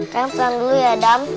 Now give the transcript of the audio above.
kita pulang dulu ya adam